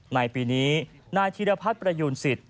ในปีนี้นายธีรพัฒน์ประยูนสิทธิ